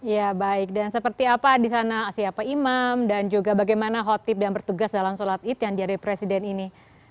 ya baik dan seperti apa di sana siapa imam dan juga bagaimana khotib dan bertugas dalam sholat id yang diadai presiden ini